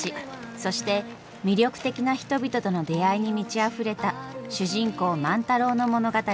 そして魅力的な人々との出会いに満ちあふれた主人公万太郎の物語。